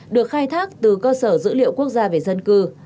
được khai thác từ cơ sở dữ liệu quốc gia về dân cư